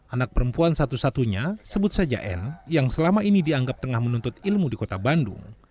anak perempuan satu satunya sebut saja n yang selama ini dianggap tengah menuntut ilmu di kota bandung